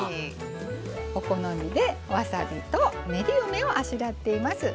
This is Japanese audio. お好みでわさびと練り梅をあしらっています。